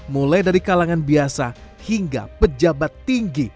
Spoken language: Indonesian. mulai dari kalangan biasa hingga pejabat tinggi